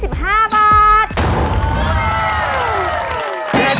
เศษฐีป้ายแดง